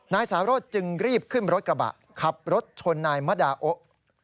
นายสารสจึงรีบขึ้นรถกระบะขับรถชนนายมดาโอ